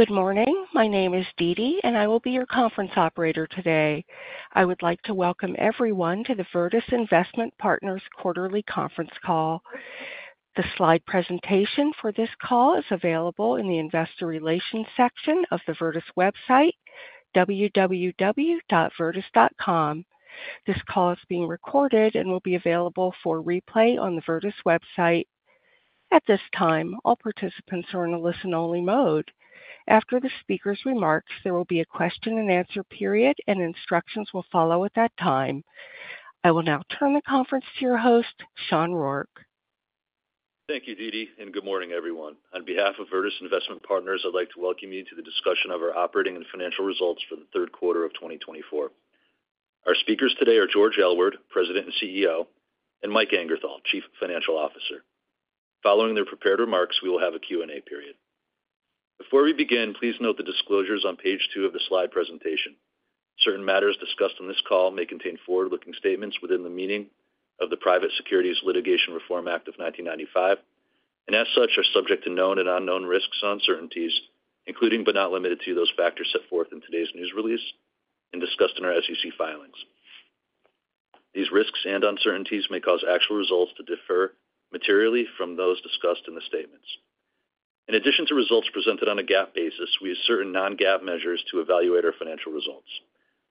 Good morning. My name is Deedee, and I will be your conference operator today. I would like to welcome everyone to the Virtus Investment Partners Quarterly Conference Call. The slide presentation for this call is available in the Investor Relations section of the Virtus website, www.virtus.com. This call is being recorded and will be available for replay on the Virtus website. At this time, all participants are in a listen-only mode. After the speaker's remarks, there will be a Q&A period, and instructions will follow at that time. I will now turn the conference to your host, Sean Rourke. Thank you, Deedee, and good morning, everyone. On behalf of Virtus Investment Partners, I'd like to welcome you to the discussion of our operating and financial results for the Q3 of twenty twenty-four. Our speakers today are George Aylward, President and CEO, and Mike Angerthal, Chief Financial Officer. Following their prepared remarks, we will have a Q&A period. Before we begin, please note the disclosures on page two of the slide presentation. Certain matters discussed on this call may contain forward-looking statements within the meaning of the Private Securities Litigation Reform Act of nineteen ninety-five, and as such, are subject to known and unknown risks and uncertainties, including, but not limited to, those factors set forth in today's news release and discussed in our SEC filings. These risks and uncertainties may cause actual results to differ materially from those discussed in the statements. In addition to results presented on a GAAP basis, we use certain non-GAAP measures to evaluate our financial results.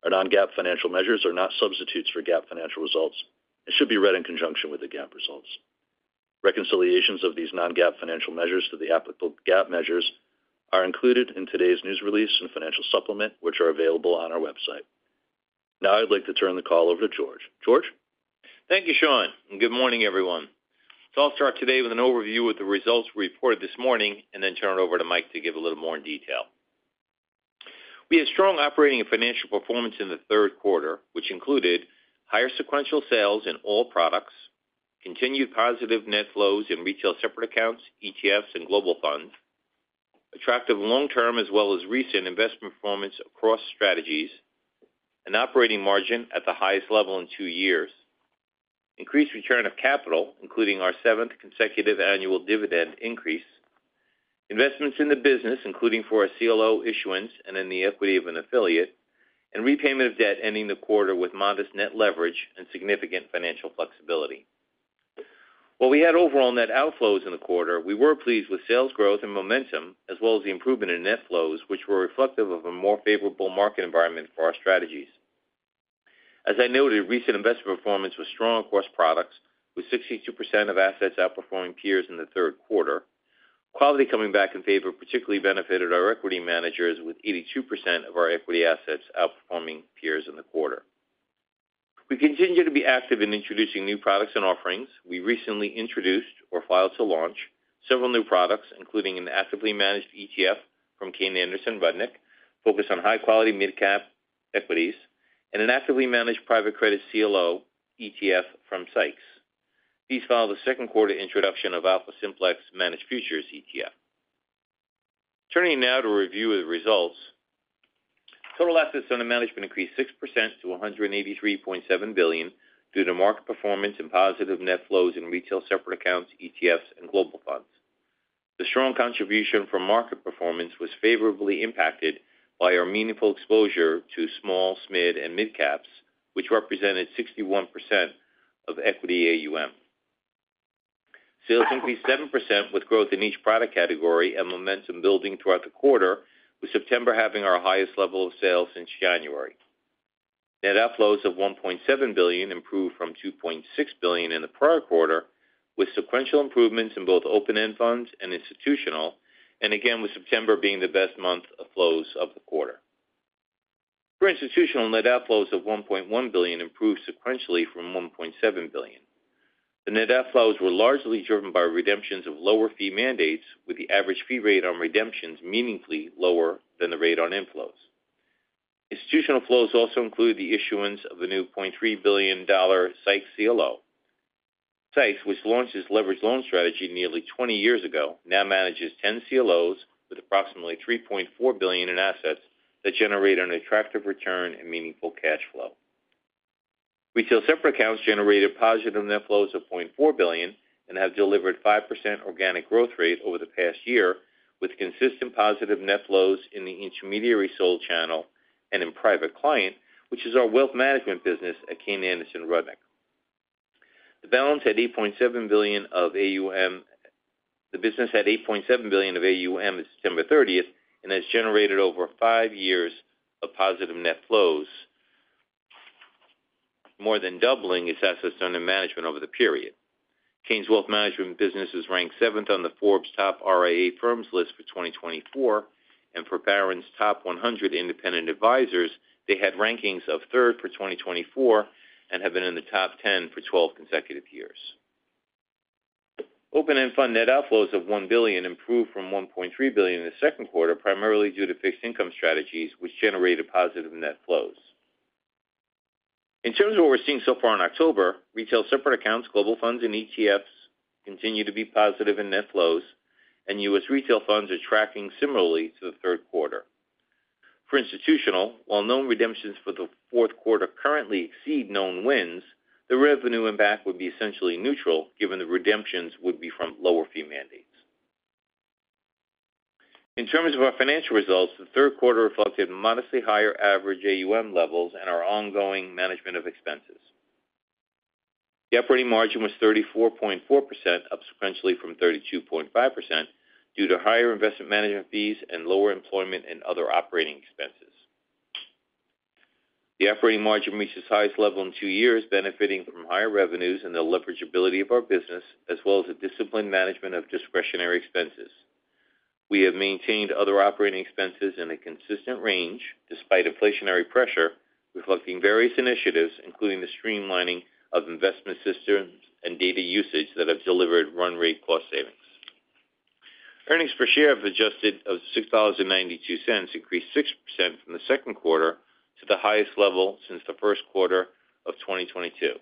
Our non-GAAP financial measures are not substitutes for GAAP financial results and should be read in conjunction with the GAAP results. Reconciliations of these non-GAAP financial measures to the applicable GAAP measures are included in today's news release and financial supplement, which are available on our website. Now, I'd like to turn the call over to George. George? Thank you, Sean, and good morning, everyone. So I'll start today with an overview of the results we reported this morning and then turn it over to Mike to give a little more in detail. We had strong operating and financial performance in the Q3, which included higher sequential sales in all products, continued positive net flows in retail separate accounts, ETFs, and global funds, attractive long-term, as well as recent investment performance across strategies, an operating margin at the highest level in two years, increased return of capital, including our seventh consecutive annual dividend increase, investments in the business, including for a CLO issuance and in the equity of an affiliate, and repayment of debt, ending the quarter with modest net leverage and significant financial flexibility. While we had overall net outflows in the quarter, we were pleased with sales growth and momentum, as well as the improvement in net flows, which were reflective of a more favorable market environment for our strategies. As I noted, recent investment performance was strong across products, with 62% of assets outperforming peers in the Q3. Quality coming back in favor particularly benefited our equity managers, with 82% of our equity assets outperforming peers in the quarter. We continue to be active in introducing new products and offerings. We recently introduced or filed to launch several new products, including an actively managed ETF from Kayne Anderson Rudnick, focused on high-quality midcap equities and an actively managed private credit CLO ETF from Seix. These follow the Q2 introduction of AlphaSimplex Managed Futures ETF. Turning now to review the results. Total Assets Under Management increased 6% to $183.7 billion, due to market performance and positive net flows in retail separate accounts, ETFs, and global funds. The strong contribution from market performance was favorably impacted by our meaningful exposure to small, SMID, and midcaps, which represented 61% of equity AUM. Sales increased 7%, with growth in each product category and momentum building throughout the quarter, with September having our highest level of sales since January. Net outflows of $1.7 billion improved from $2.6 billion in the prior quarter, with sequential improvements in both open-end funds and institutional, and again, with September being the best month of flows of the quarter. For institutional, net outflows of $1.1 billion improved sequentially from $1.7 billion. The net outflows were largely driven by redemptions of lower fee mandates, with the average fee rate on redemptions meaningfully lower than the rate on inflows. Institutional flows also include the issuance of a new $0.3 billion Seix CLO. Seix, which launched its leveraged loan strategy nearly twenty years ago, now manages ten CLOs with approximately $3.4 billion in assets that generate an attractive return and meaningful cash flow. Retail separate accounts generated positive net flows of $0.4 billion and have delivered 5% organic growth rate over the past year, with consistent positive net flows in the intermediary sold channel and in private client, which is our wealth management business at Kayne Anderson Rudnick. The balance had $8.7 billion of AUM... The business had $8.7 billion of AUM as of September thirtieth and has generated over five years of positive net flows, more than doubling its assets under management over the period. Kayne's wealth management business is ranked seventh on the Forbes Top RIA Firms list for 2024, and for Barron's Top 100 Independent Advisors, they had rankings of third for 2024 and have been in the top 10 for 12 consecutive years. Open-end fund net outflows of $1 billion improved from $1.3 billion in the Q2, primarily due to fixed income strategies, which generated positive net flows. In terms of what we're seeing so far in October, retail separate accounts, global funds, and ETFs continue to be positive in net flows, and U.S. retail funds are tracking similarly to the Q3. For institutional, while known redemptions for the Q4 currently exceed known wins, the revenue impact would be essentially neutral, given the redemptions would be from lower fee mandates. In terms of our financial results, the Q3 reflected modestly higher average AUM levels and our ongoing management of expenses. The operating margin was 34.4%, up sequentially from 32.5%, due to higher investment management fees and lower employment and other operating expenses. The operating margin reached its highest level in two years, benefiting from higher revenues and the leverageability of our business, as well as the disciplined management of discretionary expenses. We have maintained other operating expenses in a consistent range despite inflationary pressure, reflecting various initiatives, including the streamlining of investment systems and data usage that have delivered run rate cost savings. Adjusted earnings per share of $6.92 increased 6% from the Q2 to the highest level since the Q1 of 2022.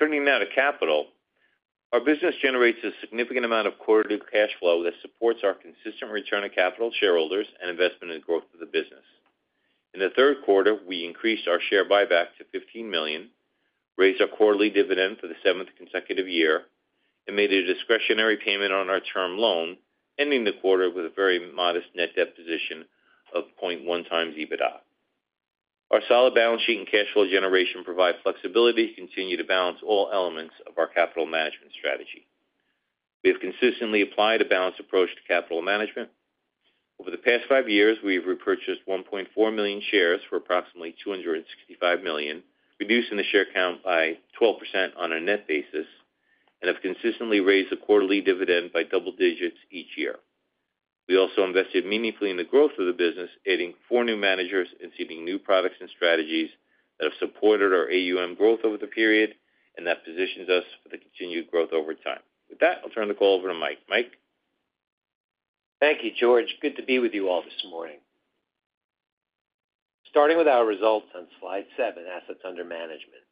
Turning now to capital. Our business generates a significant amount of quarterly cash flow that supports our consistent return of capital to shareholders and investment in the growth of the business. In the Q3, we increased our share buyback to $15 million, raised our quarterly dividend for the seventh consecutive year, and made a discretionary payment on our term loan, ending the quarter with a very modest net debt position of 0.1 times EBITDA. Our solid balance sheet and cash flow generation provide flexibility to continue to balance all elements of our capital management strategy. We have consistently applied a balanced approach to capital management. Over the past five years, we've repurchased 1.4 million shares for approximately $265 million, reducing the share count by 12% on a net basis, and have consistently raised the quarterly dividend by double digits each year. We also invested meaningfully in the growth of the business, adding four new managers and seeding new products and strategies that have supported our AUM growth over the period, and that positions us for the continued growth over time. With that, I'll turn the call over to Mike. Mike? Thank you, George. Good to be with you all this morning. Starting with our results on Slide 7, Assets Under Management.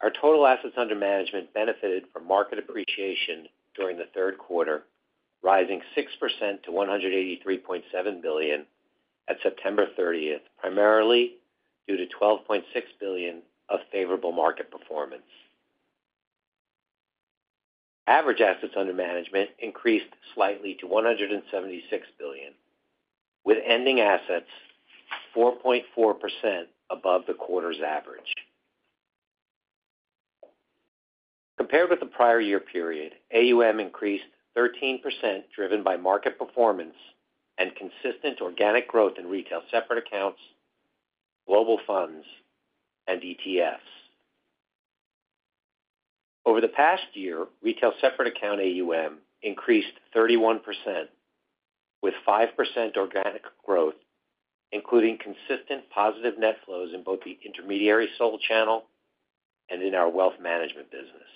Our total assets under management benefited from market appreciation during the Q3, rising 6% to $183.7 billion at September 30th, primarily due to $12.6 billion of favorable market performance. Average assets under management increased slightly to $176 billion, with ending assets 4.4% above the quarter's average. Compared with the prior year period, AUM increased 13%, driven by market performance and consistent organic growth in retail separate accounts, global funds, and ETFs. Over the past year, retail separate account AUM increased 31%, with 5% organic growth, including consistent positive net flows in both the intermediary sold channel and in our wealth management business.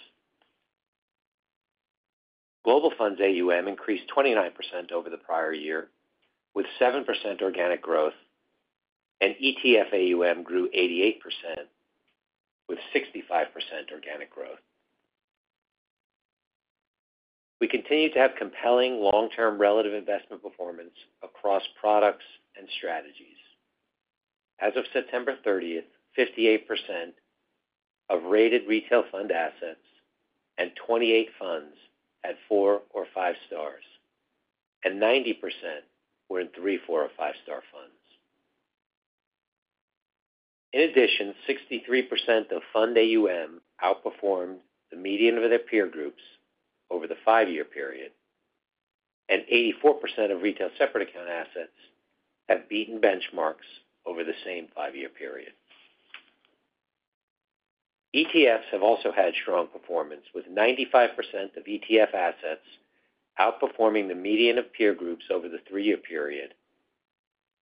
Global Funds AUM increased 29% over the prior year, with 7% organic growth, and ETF AUM grew 88%, with 65% organic growth. We continue to have compelling long-term relative investment performance across products and strategies. As of September thirtieth, 58% of rated retail fund assets and 28 funds at four or five stars, and 90% were in three, four, or five-star funds. In addition, 63% of fund AUM outperformed the median of their peer groups over the five-year period, and 84% of retail separate account assets have beaten benchmarks over the same five-year period. ETFs have also had strong performance, with 95% of ETF assets outperforming the median of peer groups over the three-year period,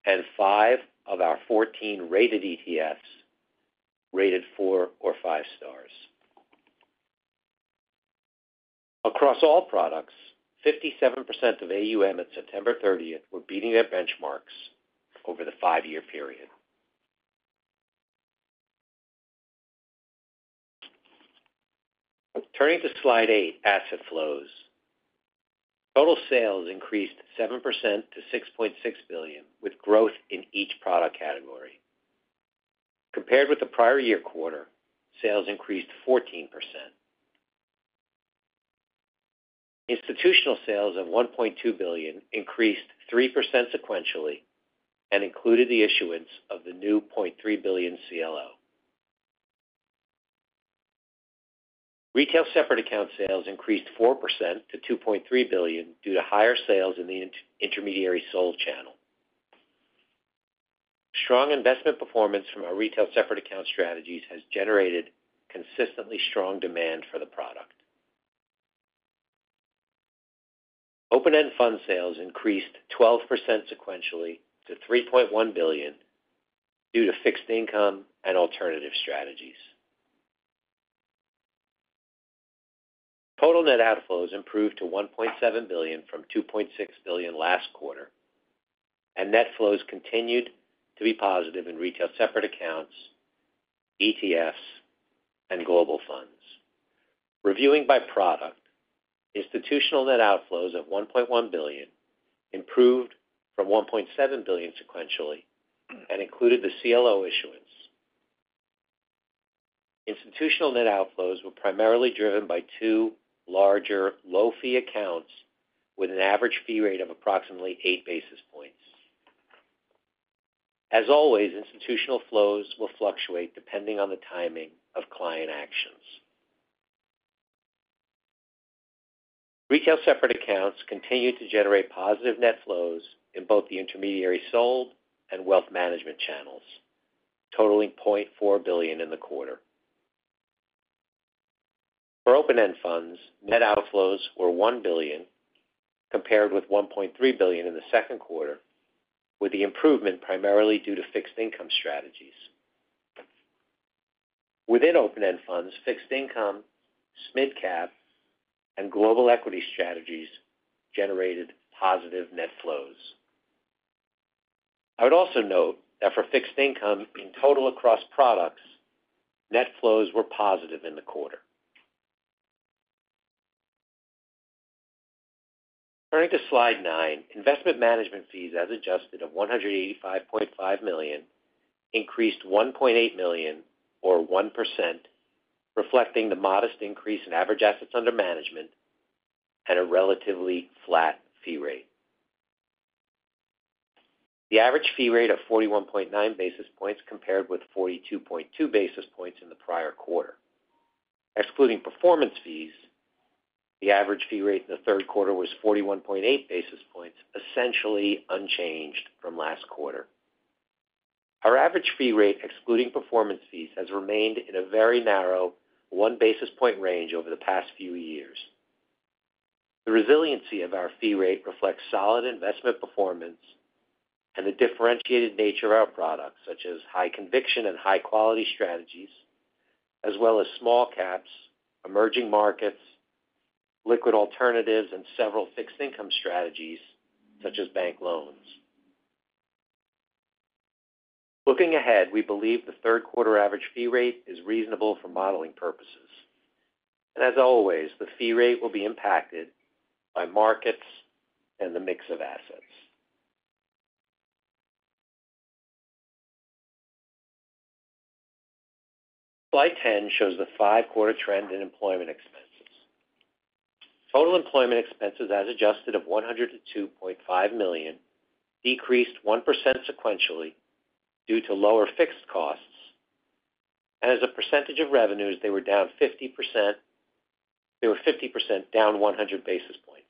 and 5 of our 14 rated ETFs rated four or five stars. Across all products, 57% of AUM at September 30th were beating their benchmarks over the five-year period. Turning to Slide 8, Asset Flows. Total sales increased 7% to $6.6 billion, with growth in each product category. Compared with the prior year quarter, sales increased 14%. Institutional sales of $1.2 billion increased 3% sequentially and included the issuance of the new $0.3 billion CLO. Retail separate account sales increased 4% to $2.3 billion due to higher sales in the intermediary-sold channel. Strong investment performance from our retail separate account strategies has generated consistently strong demand for the product. Open-end fund sales increased 12% sequentially to $3.1 billion due to fixed income and alternative strategies. Total net outflows improved to $1.7 billion from $2.6 billion last quarter, and net flows continued to be positive in retail separate accounts, ETFs, and global funds. Reviewing by product, institutional net outflows of $1.1 billion improved from $1.7 billion sequentially and included the CLO issuance. Institutional net outflows were primarily driven by two larger low-fee accounts with an average fee rate of approximately eight basis points. As always, institutional flows will fluctuate depending on the timing of client actions. Retail separate accounts continued to generate positive net flows in both the intermediary sold and wealth management channels, totaling $0.4 billion in the quarter. For open-end funds, net outflows were $1 billion, compared with $1.3 billion in the Q2, with the improvement primarily due to fixed income strategies. Within open-end funds, fixed income, SMID-cap, and global equity strategies generated positive net flows. I would also note that for fixed income, in total across products, net flows were positive in the quarter. Turning to Slide 9, investment management fees, as adjusted, of $185.5 million increased $1.8 million, or 1%, reflecting the modest increase in average assets under management and a relatively flat fee rate. The average fee rate of 41.9 basis points compared with 42.2 basis points in the prior quarter. Excluding performance fees, the average fee rate in the Q3 was 41.8 basis points, essentially unchanged from last quarter. Our average fee rate, excluding performance fees, has remained in a very narrow 1 basis point range over the past few years. The resiliency of our fee rate reflects solid investment performance and the differentiated nature of our products, such as high conviction and high-quality strategies, as well as small caps, emerging markets, liquid alternatives, and several fixed income strategies, such as bank loans. Looking ahead, we believe the Q3 average fee rate is reasonable for modeling purposes, and as always, the fee rate will be impacted by markets and the mix of assets. Slide 10 shows the 5-quarter trend in employment expenses. Total employment expenses as adjusted of $102.5 million decreased 1% sequentially due to lower fixed costs, and as a percentage of revenues, they were 50% down 100 basis points.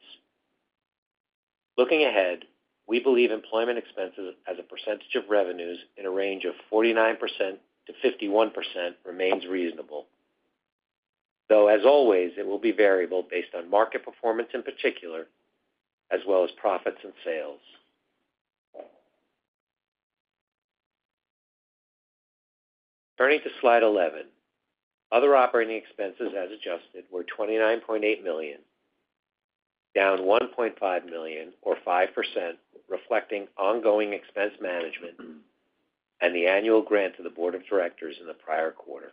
Looking ahead, we believe employment expenses as a percentage of revenues in a range of 49%-51% remains reasonable. Though, as always, it will be variable based on market performance in particular, as well as profits and sales. Turning to Slide 11, other operating expenses as adjusted were $29.8 million, down $1.5 million, or 5%, reflecting ongoing expense management and the annual grant to the board of directors in the prior quarter.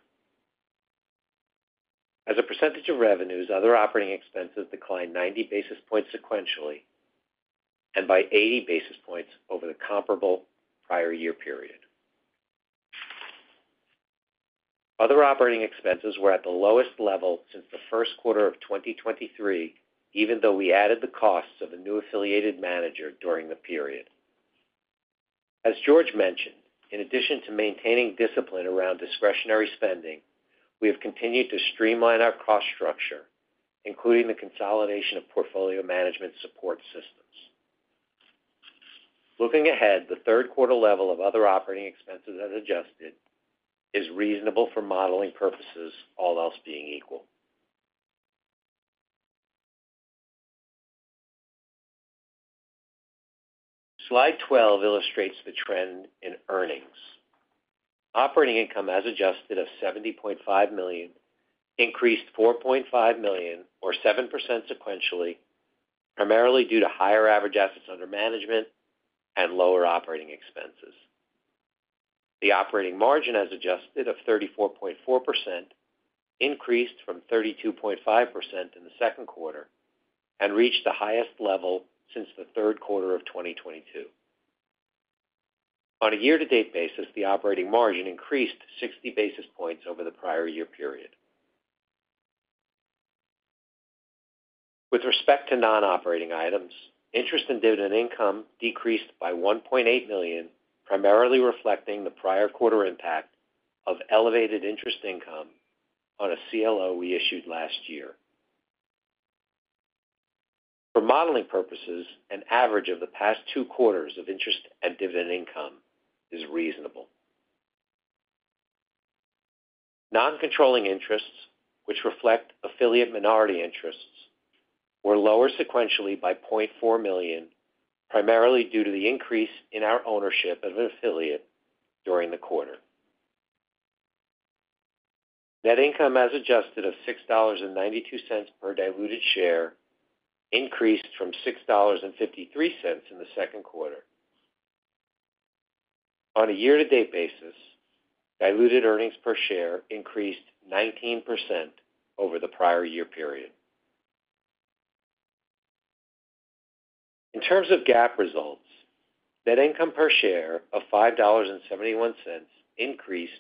As a percentage of revenues, other operating expenses declined 90 basis points sequentially and by 80 basis points over the comparable prior year period. Other operating expenses were at the lowest level since the Q1 of 2023, even though we added the costs of a new affiliated manager during the period. As George mentioned, in addition to maintaining discipline around discretionary spending, we have continued to streamline our cost structure, including the consolidation of portfolio management support systems. Looking ahead, the Q3 level of other operating expenses as adjusted is reasonable for modeling purposes, all else being equal. Slide 12 illustrates the trend in earnings. Operating income, as adjusted, of $70.5 million increased $4.5 million, or 7% sequentially, primarily due to higher average assets under management and lower operating expenses. The operating margin, as adjusted, of 34.4% increased from 32.5% in the Q2 and reached the highest level since the Q3 of 2022. On a year-to-date basis, the operating margin increased 60 basis points over the prior year period. With respect to non-operating items, interest and dividend income decreased by $1.8 million, primarily reflecting the prior quarter impact of elevated interest income on a CLO we issued last year. For modeling purposes, an average of the past two quarters of interest and dividend income is reasonable. Non-controlling interests, which reflect affiliate minority interests, were lower sequentially by $0.4 million, primarily due to the increase in our ownership of an affiliate during the quarter. Net income as adjusted of $6.92 per diluted share increased from $6.53 in the Q2. On a year-to-date basis, diluted earnings per share increased 19% over the prior year period. In terms of GAAP results, net income per share of $5.71 increased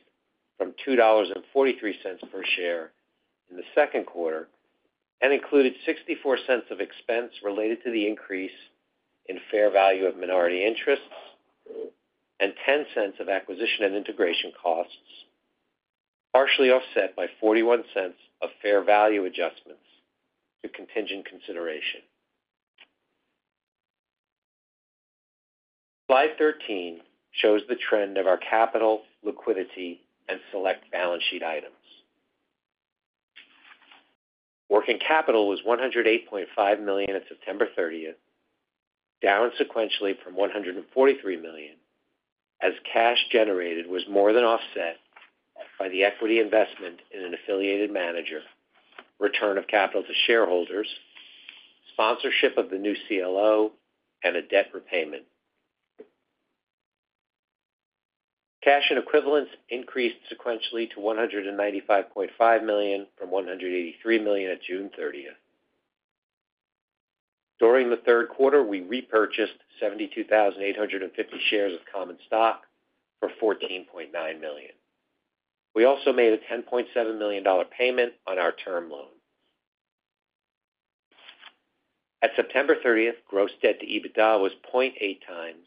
from $2.43 per share in the Q2 and included $0.64 of expense related to the increase in fair value of minority interests and $0.10 of acquisition and integration costs, partially offset by $0.41 of fair value adjustments to contingent consideration. Slide 13 shows the trend of our capital, liquidity, and select balance sheet items. Working capital was $108.5 million at September 30, down sequentially from $143 million, as cash generated was more than offset by the equity investment in an affiliated manager, return of capital to shareholders, sponsorship of the new CLO, and a debt repayment. Cash and equivalents increased sequentially to $195.5 million from $183 million at June 30. During the Q3, we repurchased 72,850 shares of common stock for $14.9 million. We also made a $10.7 million payment on our term loan. At September 30, gross debt to EBITDA was 0.8 times,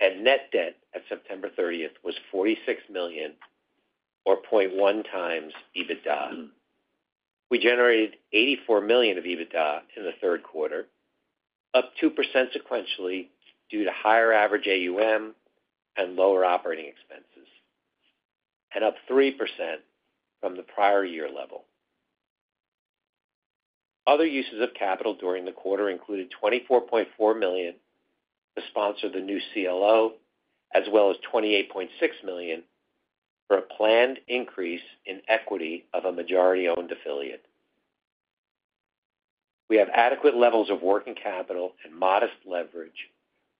and net debt at September 30 was $46 million, or 0.1 times EBITDA. We generated $84 million of EBITDA in the Q3, up 2% sequentially due to higher average AUM and lower operating expenses, and up 3% from the prior year level. Other uses of capital during the quarter included $24.4 million to sponsor the new CLO, as well as $28.6 million for a planned increase in equity of a majority-owned affiliate. We have adequate levels of working capital and modest leverage,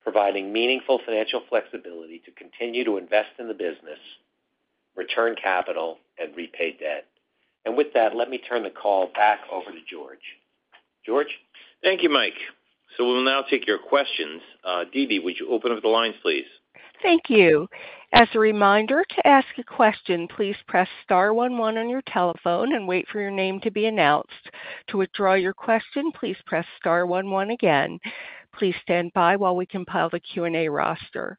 providing meaningful financial flexibility to continue to invest in the business, return capital, and repay debt. And with that, let me turn the call back over to George. George? Thank you, Mike. So we'll now take your questions. Deedee, would you open up the lines, please? Thank you. As a reminder, to ask a question, please press star one one on your telephone and wait for your name to be announced. To withdraw your question, please press star one one again. Please stand by while we compile the Q&A roster,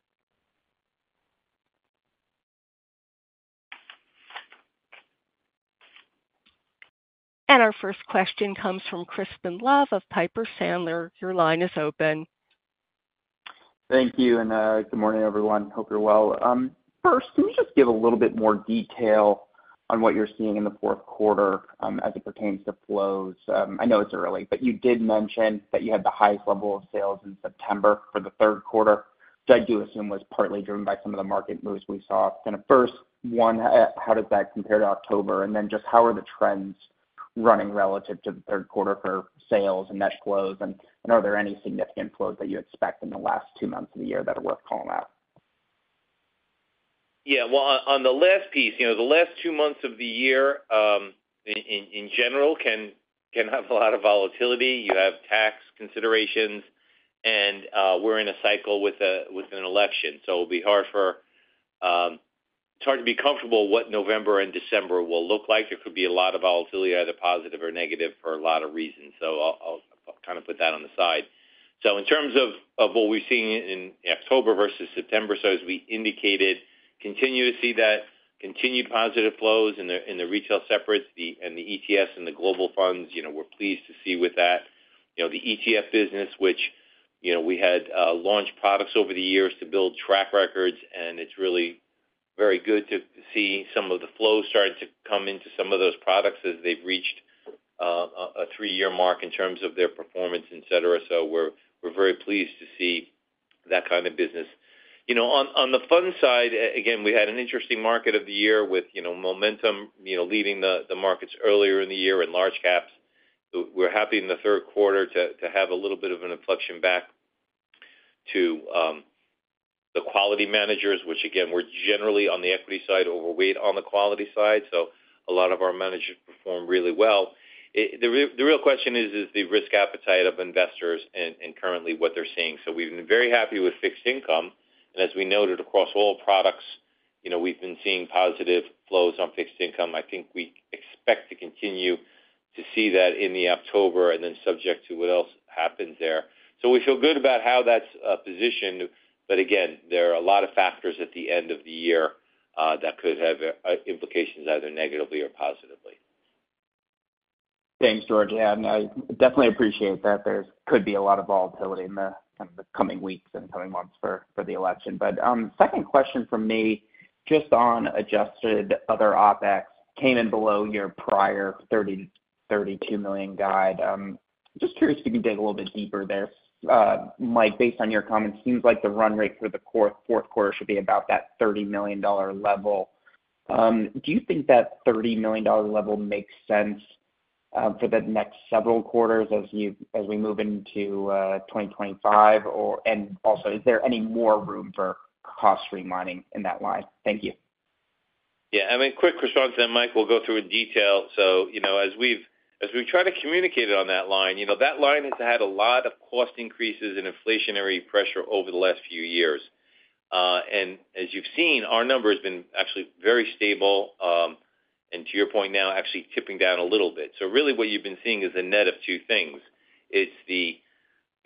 and our first question comes from Crispin Love of Piper Sandler. Your line is open. Thank you, and good morning, everyone. Hope you're well. First, can you just give a little bit more detail on what you're seeing in the Q4 as it pertains to flows? I know it's early, but you did mention that you had the highest level of sales in September for the Q3, which I do assume was partly driven by some of the market moves we saw. Kinda first, one, how does that compare to October? And then just how are the trends running relative to the Q3 for sales and net flows, and are there any significant flows that you expect in the last two months of the year that are worth calling out? On the last piece, you know, the last two months of the year, in general, can have a lot of volatility. You have tax considerations, and we're in a cycle with an election. It's hard to be comfortable with what November and December will look like. It could be a lot of volatility, either positive or negative, for a lot of reasons, so I'll put that on the side, so in terms of what we've seen in October versus September, so as we indicated, continue to see that continued positive flows in the retail separates, and the ETFs and the global funds, you know, we're pleased to see with that. You know, the ETF business, which, you know, we had launched products over the years to build track records, and it's really very good to see some of the flows starting to come into some of those products as they've reached a three-year mark in terms of their performance, et cetera. So we're very pleased to see that business. You know, on the fund side, again, we had an interesting market of the year with, you know, momentum, you know, leading the markets earlier in the year in large caps. So we're happy in the Q3 to have a little bit of an inflection back to the quality managers, which again, we're generally on the equity side, overweight on the quality side, so a lot of our managers performed really well. The real question is the risk appetite of investors and currently what they're seeing. So we've been very happy with fixed income. And as we noted across all products, you know, we've been seeing positive flows on fixed income. We expect to continue to see that in October and then subject to what else happens there. So we feel good about how that's positioned. But again, there are a lot of factors at the end of the year that could have implications, either negatively or positively. Thanks, George. And I definitely appreciate that there could be a lot of volatility in the the coming weeks and coming months for the election. But, second question from me, just on adjusted other OpEx came in below your prior $30-$32 million guide. Just curious if you could dig a little bit deeper there. Mike, based on your comments, seems like the run rate for the Q4 should be about that $30 million level. Do you think that $30 million level makes sense for the next several quarters as we move into 2025? Or, and also, is there any more room for cost streamlining in that line? Thank you. I mean, quick response, then Mike will go through in detail. So, you know, as we've tried to communicate it on that line, you know, that line has had a lot of cost increases and inflationary pressure over the last few years, and as you've seen, our number has been actually very stable, and to your point now, actually tipping down a little bit, so really what you've been seeing is a net of two things. It's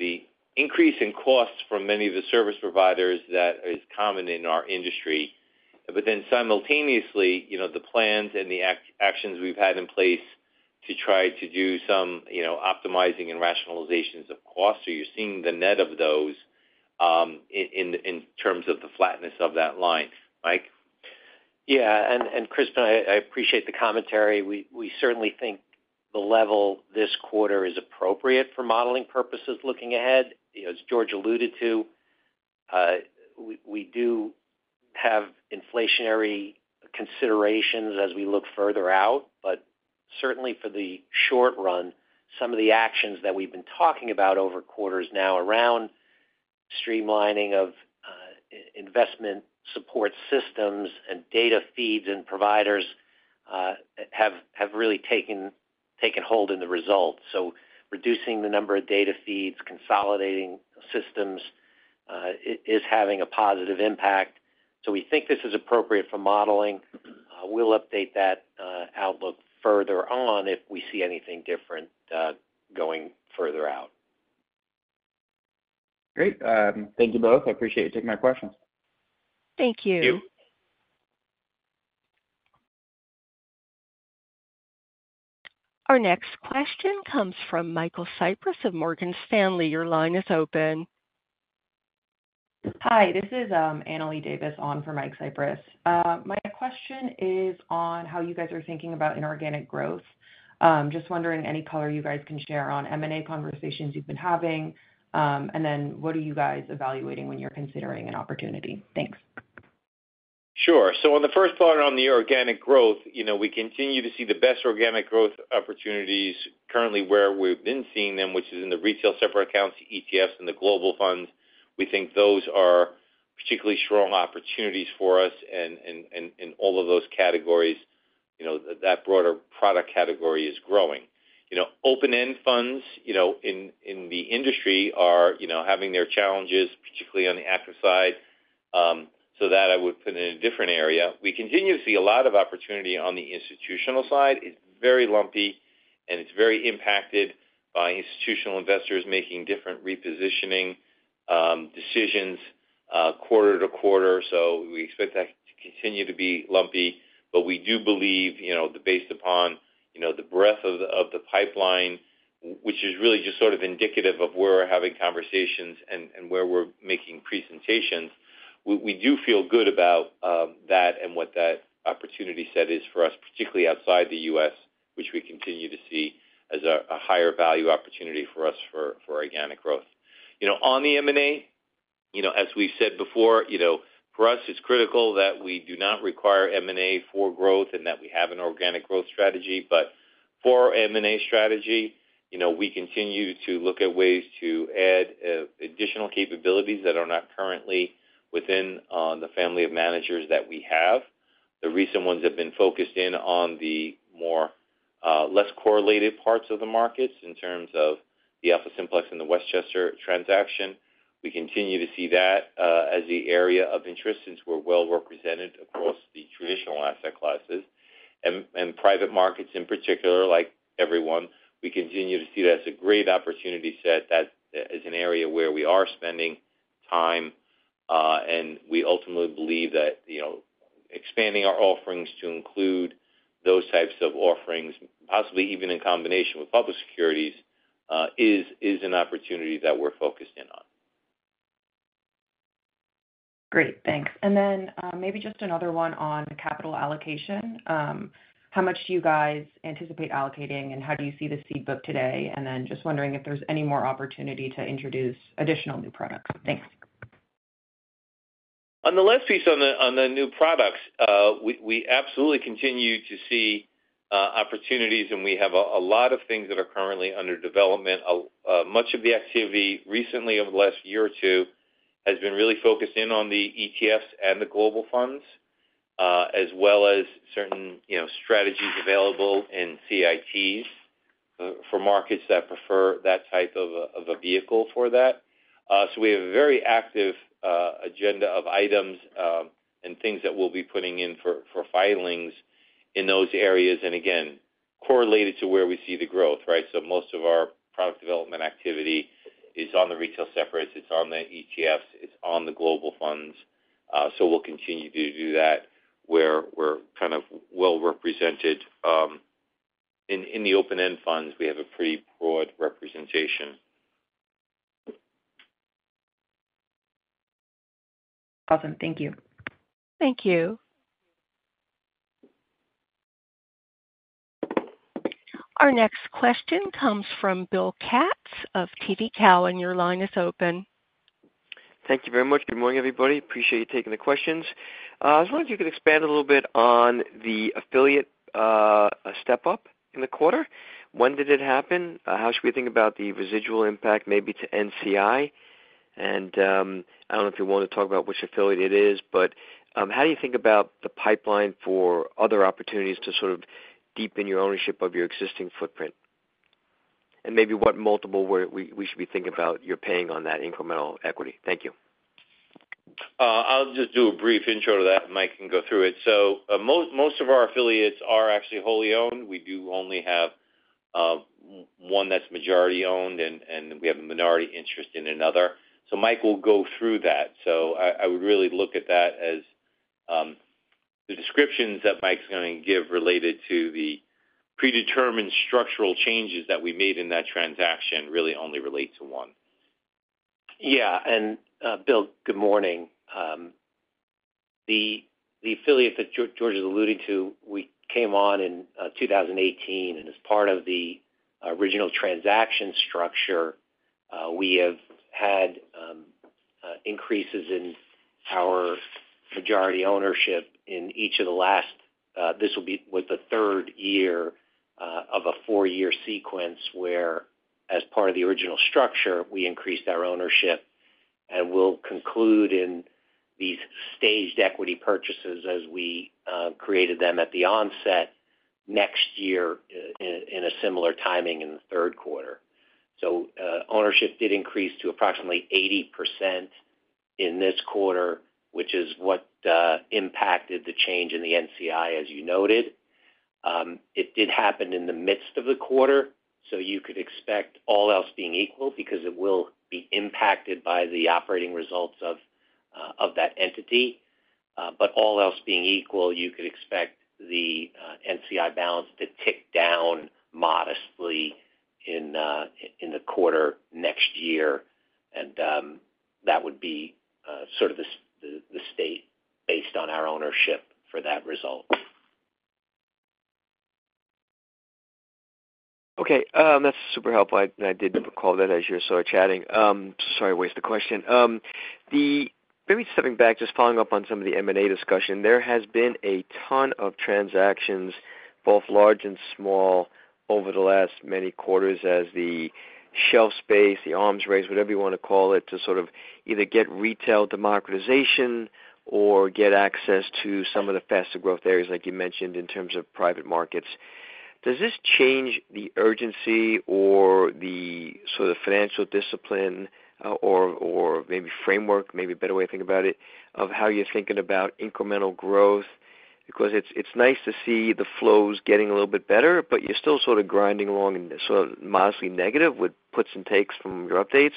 the increase in costs from many of the service providers that is common in our industry, but then simultaneously, you know, the plans and the actions we've had in place to try to do some, you know, optimizing and rationalizations of costs, so you're seeing the net of those in terms of the flatness of that line. Mike? And Crispin, I appreciate the commentary. We certainly think the level this quarter is appropriate for modeling purposes looking ahead. You know, as George alluded to, we do have inflationary considerations as we look further out, but certainly for the short run, some of the actions that we've been talking about over quarters now around streamlining of investment support systems and data feeds and providers have really taken hold in the results. So reducing the number of data feeds, consolidating systems is having a positive impact. So we think this is appropriate for modeling. We'll update that outlook further on if we see anything different going further out. Great. Thank you both. I appreciate you taking my questions. Thank you. Thank you. Our next question comes from Michael Cyprys of Morgan Stanley. Your line is open. Hi, this is Annalee Davis on for Michael Cyprys. My question is on how you guys are thinking about inorganic growth. Just wondering any color you guys can share on M&A conversations you've been having, and then what are you guys evaluating when you're considering an opportunity? Thanks. Sure. So on the first part, on the organic growth, you know, we continue to see the best organic growth opportunities currently where we've been seeing them, which is in the retail separate accounts, ETFs, and the global funds. We think those are particularly strong opportunities for us, and all of those categories, you know, that broader product category is growing. You know, open-end funds, you know, in the industry are having their challenges, particularly on the active side, so that I would put in a different area. We continue to see a lot of opportunity on the institutional side. It's very lumpy, and it's very impacted by institutional investors making different repositioning decisions, quarter to quarter, so we expect that to continue to be lumpy. But we do believe, you know, that based upon, you know, the breadth of the pipeline, which is really just indicative of where we're having conversations and where we're making presentations, we do feel good about that and what that opportunity set is for us, particularly outside the US, which we continue to see as a higher value opportunity for us for organic growth. You know, on the M&A, you know, as we've said before, you know, for us, it's critical that we do not require M&A for growth and that we have an organic growth strategy. But for our M&A strategy, you know, we continue to look at ways to add additional capabilities that are not currently within the family of managers that we have. The recent ones have been focused in on the more, less correlated parts of the markets in terms of the AlphaSimplex and the Westchester transaction. We continue to see that as the area of interest, since we're well represented across the traditional asset classes and private markets in particular. Like everyone, we continue to see that as a great opportunity set. That is an area where we are spending time, and we ultimately believe that, you know, expanding our offerings to include those types of offerings, possibly even in combination with public securities, is an opportunity that we're focused in on. Great, thanks. And then, maybe just another one on capital allocation. How much do you guys anticipate allocating, and how do you see the seed book today? And then just wondering if there's any more opportunity to introduce additional new products. Thanks. On the last piece, on the new products, we absolutely continue to see opportunities, and we have a lot of things that are currently under development. Much of the activity recently over the last year or two has been really focused in on the ETFs and the global funds, as well as certain, you know, strategies available in CITs, for markets that prefer that type of a vehicle for that. So we have a very active agenda of items and things that we'll be putting in for filings in those areas, and again, correlated to where we see the growth, right? So most of our product development activity is on the retail separates, it's on the ETFs, it's on the global funds. So we'll continue to do that, where we're well represented. In the open-end funds, we have a pretty broad representation. Awesome. Thank you. Thank you. Our next question comes from Bill Katz of TD Cowen. Your line is open.... Thank you very much. Good morning, everybody. Appreciate you taking the questions. I was wondering if you could expand a little bit on the affiliate step-up in the quarter. When did it happen? How should we think about the residual impact maybe to NCI? And, I don't know if you want to talk about which affiliate it is, but, how do you think about the pipeline for other opportunities to deepen your ownership of your existing footprint? And maybe what multiple where we should be thinking about you're paying on that incremental equity. Thank you. I'll just do a brief intro to that, Mike can go through it. So, most of our affiliates are actually wholly owned. We do only have one that's majority owned, and we have a minority interest in another. So Mike will go through that. So I would really look at that as the descriptions that Mike's gonna give related to the predetermined structural changes that we made in that transaction really only relate to one. And, Bill, good morning. The affiliate that George is alluding to, we came on in 2018, and as part of the original transaction structure, we have had increases in our majority ownership in each of the last, this was the third year of a four-year sequence, where as part of the original structure, we increased our ownership, and we'll conclude these staged equity purchases as we created them at the onset next year, in a similar timing in the Q3. So, ownership did increase to approximately 80% in this quarter, which is what impacted the change in the NCI, as you noted. It did happen in the midst of the quarter, so you could expect all else being equal, because it will be impacted by the operating results of that entity. But all else being equal, you could expect the NCI balance to tick down modestly in the quarter next year, and that would be the state based on our ownership for that result. Okay, that's super helpful. I did recall that as you were chatting. Sorry to waste the question. Maybe stepping back, just following up on some of the M&A discussion. There has been a ton of transactions, both large and small, over the last many quarters as the shelf space, the arms race, whatever you wanna call it, to either get retail democratization or get access to some of the faster growth areas, like you mentioned, in terms of private markets. Does this change the urgency or the financial discipline, or maybe framework, maybe a better way to think about it, of how you're thinking about incremental growth? Because it's nice to see the flows getting a little bit better, but you're still grinding along and modestly negative with puts and takes from your updates.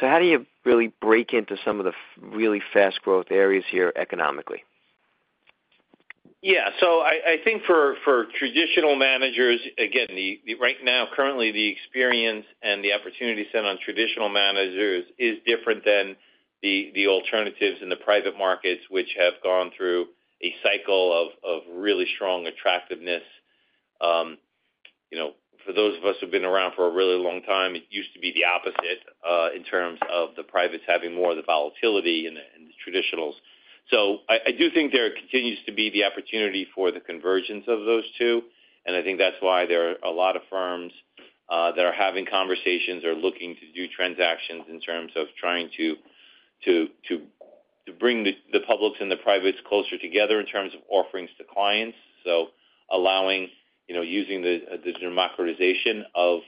So how do you really break into some of the really fast growth areas here economically? So for traditional managers, again, right now, currently, the experience and the opportunity set on traditional managers is different than the alternatives in the private markets, which have gone through a cycle of really strong attractiveness. You know, for those of us who've been around for a really long time, it used to be the opposite in terms of the privates having more of the volatility and the traditionals. So I do think there continues to be the opportunity for the convergence of those two, and that's why there are a lot of firms that are having conversations or looking to do transactions in terms of trying to bring the public's and the privates closer together in terms of offerings to clients. So allowing, you know, using the, the democratization of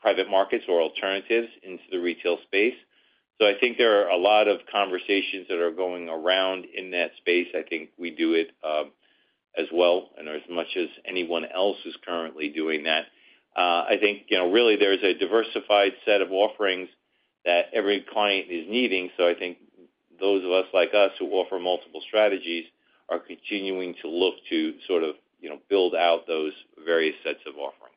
private markets or alternatives into the retail space. So there are a lot of conversations that are going around in that space. We do it, as well, and as much as anyone else is currently doing that. You know, really there's a diversified set of offerings that every client is needing, so those of us like us, who offer multiple strategies, are continuing to look to, you know, build out those various sets of offerings.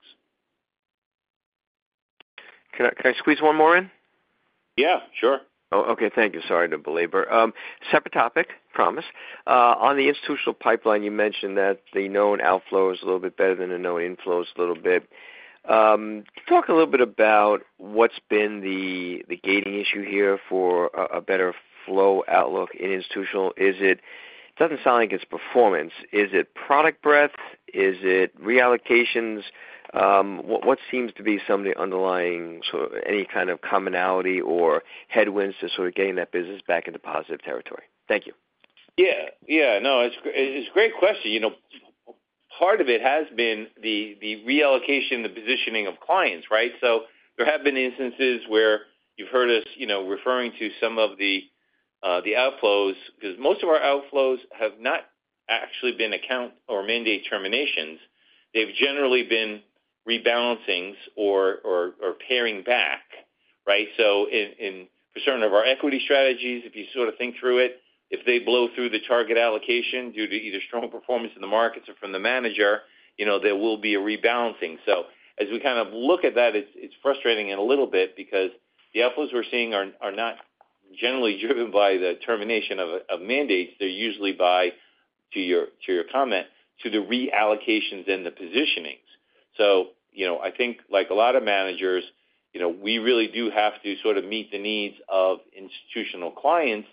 Can I, can I squeeze one more in? Sure. Oh, okay. Thank you. Sorry to belabor. Separate topic, promise. On the institutional pipeline, you mentioned that the known outflow is a little bit better than the known inflows a little bit. Can you talk a little bit about what's been the gating issue here for a better flow outlook in institutional? Is it. It doesn't sound like it's performance. Is it product breadth? Is it reallocations? What seems to be some of the underlying, any commonality or headwinds to getting that business back into positive territory? Thank you. No, it's a great question. You know, part of it has been the reallocation, the positioning of clients, right? So there have been instances where you've heard us, you know, referring to some of the outflows, because most of our outflows have not actually been account or mandate terminations. They've generally been rebalancings or paring back, right? So in for certain of our equity strategies, if you think through it, if they blow through the target allocation due to either strong performance in the markets or from the manager, you know, there will be a rebalancing. So as we look at that, it's frustrating a little bit because the outflows we're seeing are not generally driven by the termination of mandates, they're usually by-... to your comment, to the reallocations and the positionings. So, you know, like a lot of managers, you know, we really do have to meet the needs of institutional clients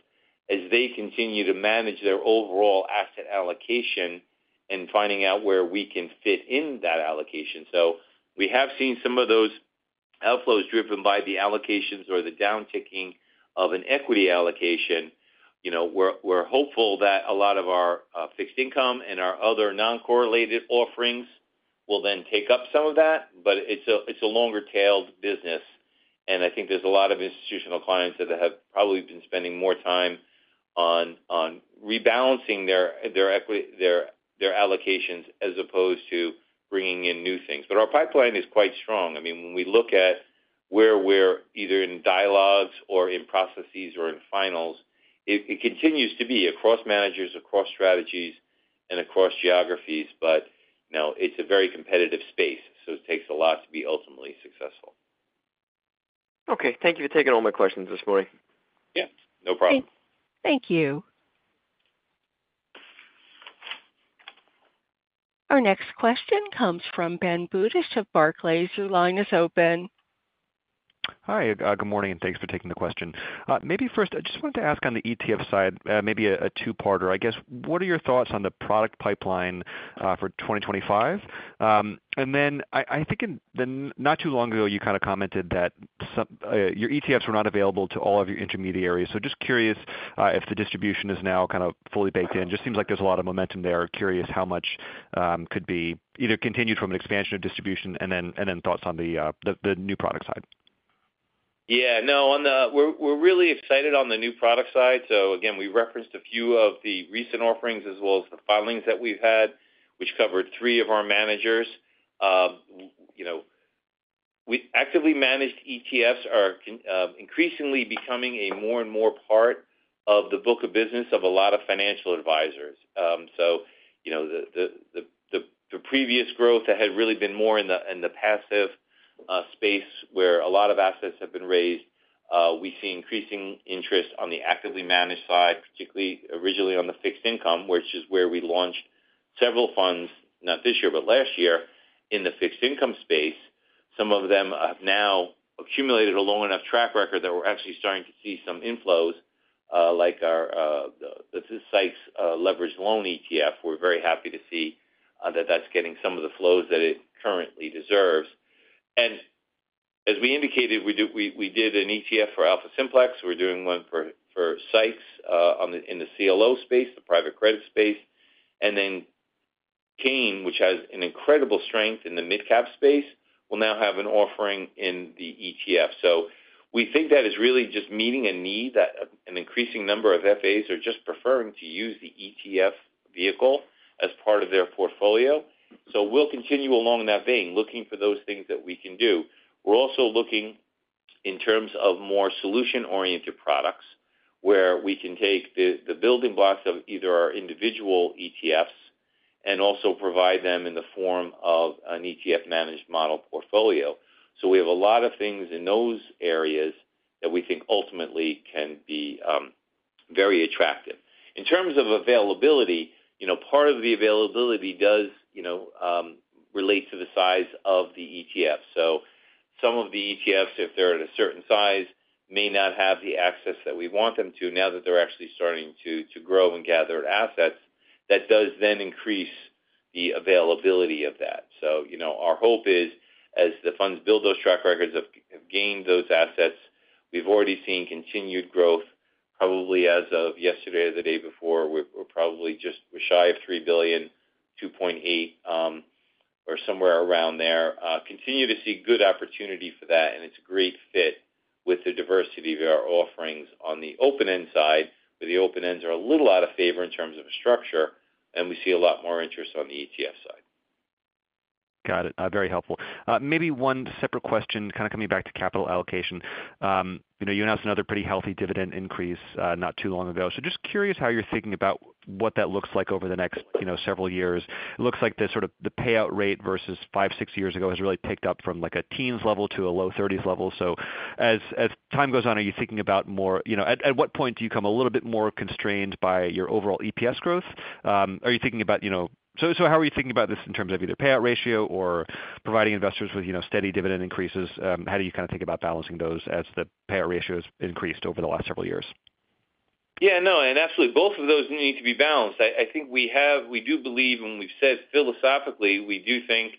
as they continue to manage their overall asset allocation and finding out where we can fit in that allocation. So we have seen some of those outflows driven by the allocations or the downticking of an equity allocation. You know, we're hopeful that a lot of our fixed income and our other non-correlated offerings will then take up some of that, but it's a longer-tailed business, and there's a lot of institutional clients that have probably been spending more time on rebalancing their equity allocations as opposed to bringing in new things. But our pipeline is quite strong. I mean, when we look at where we're either in dialogues or in processes or in finals, it continues to be across managers, across strategies, and across geographies, but, you know, it's a very competitive space, so it takes a lot to be ultimately successful. Okay. Thank you for taking all my questions this morning. No problem. Thank you. Our next question comes from Ben Budish of Barclays. Your line is open. Hi, good morning, and thanks for taking the question. Maybe first, I just wanted to ask on the ETF side, maybe a two-parter. What are your thoughts on the product pipeline for 2025, and then not too long ago, you commented that some your ETFs were not available to all of your intermediaries, so just curious if the distribution is now fully baked in? Just seems like there's a lot of momentum there. Curious how much could be either continued from an expansion of distribution, and then thoughts on the new product side. no. On the new product side, we're really excited on the new product side. So again, we referenced a few of the recent offerings as well as the filings that we've had, which covered three of our managers. You know, actively managed ETFs are continuing increasingly becoming a more and more part of the book of business of a lot of financial advisors. So you know, the previous growth that had really been more in the passive space, where a lot of assets have been raised, we see increasing interest on the actively managed side, particularly originally on the fixed income, which is where we launched several funds, not this year, but last year, in the fixed income space. Some of them have now accumulated a low enough track record that we're actually starting to see some inflows, like the Seix Leveraged Loan ETF. We're very happy to see that that's getting some of the flows that it currently deserves. And as we indicated, we did an ETF for AlphaSimplex. We're doing one for Seix in the CLO space, the private credit space. And then Kayne, which has an incredible strength in the midcap space, will now have an offering in the ETF. So we think that is really just meeting a need that an increasing number of FAs are just preferring to use the ETF vehicle as part of their portfolio. So we'll continue along that vein, looking for those things that we can do. We're also looking in terms of more solution-oriented products, where we can take the building blocks of either our individual ETFs and also provide them in the form of an ETF-managed model portfolio. So we have a lot of things in those areas that we think ultimately can be very attractive. In terms of availability, you know, part of the availability does, you know, relate to the size of the ETF. So some of the ETFs, if they're at a certain size, may not have the access that we want them to. Now that they're actually starting to grow and gather assets, that does then increase the availability of that. So, you know, our hope is, as the funds build those track records of gaining those assets, we've already seen continued growth. Probably as of yesterday or the day before, we're probably just shy of $3 billion, $2.8 billion, or somewhere around there. Continue to see good opportunity for that, and it's a great fit with the diversity of our offerings on the open-end side, where the open ends are a little out of favor in terms of structure, and we see a lot more interest on the ETF side. Got it. Very helpful. Maybe one separate question, coming back to capital allocation. You know, you announced another pretty healthy dividend increase, not too long ago. So just curious how you're thinking about what that looks like over the next, you know, several years. It looks like the payout rate versus five, six years ago has really picked up from, like, a teens level to a low thirties level. So as time goes on, are you thinking about more. You know, at what point do you become a little bit more constrained by your overall EPS growth? Are you thinking about, you know. So how are you thinking about this in terms of either payout ratio or providing investors with, you know, steady dividend increases? How do you think about balancing those as the payout ratios increased over the last several years? No, and absolutely, both of those need to be balanced. We have—we do believe, and we've said philosophically, we do think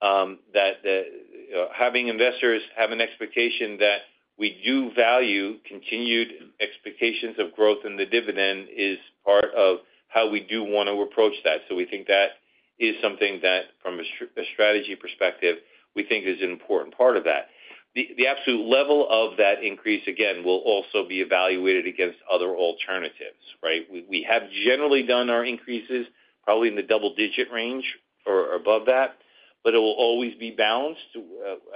that the, you know, having investors have an expectation that we do value continued expectations of growth in the dividend is part of how we do want to approach that. So we think that is something that, from a strategy perspective, we think is an important part of that. The absolute level of that increase, again, will also be evaluated against other alternatives, right? We have generally done our increases probably in the double digit range or above that, but it will always be balanced,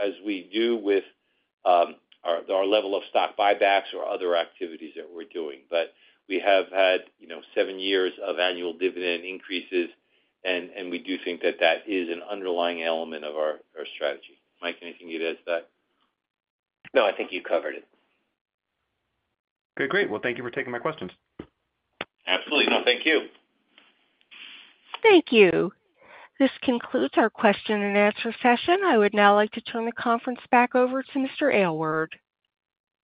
as we do with our level of stock buybacks or other activities that we're doing. But we have had, you know, seven years of annual dividend increases, and we do think that is an underlying element of our strategy. Mike, anything you'd add to that? No, you covered it. Okay, great. Well, thank you for taking my questions. Absolutely. No, thank you. Thank you. This concludes our question and answer session. I would now like to turn the conference back over to Mr. Aylward.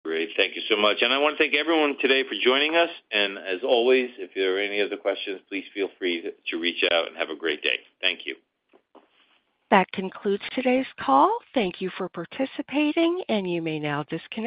Great. Thank you so much, and I want to thank everyone today for joining us, and as always, if there are any other questions, please feel free to reach out, and have a great day. Thank you. That concludes today's call. Thank you for participating, and you may now disconnect.